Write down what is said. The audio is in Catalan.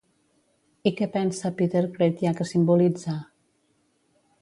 I què pensa Peter Creţia que simbolitza?